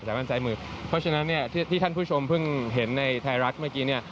เพราะฉะนั้นที่ท่านผู้ชมเพิ่งเห็นในไทรัสเมื่อกี้